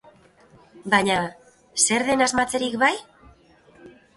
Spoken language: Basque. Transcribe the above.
Baina, zer den asmatzerik bai?